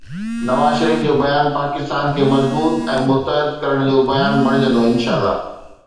نواز شريف جو بيان پاڪستان کي مضبوط ۽ متحد ڪرڻ جو بنياد بڻجندو، انشاءَ الله.